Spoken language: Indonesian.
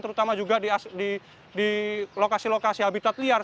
terutama juga di lokasi lokasi habitat liar